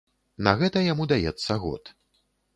На гэта яму даецца год.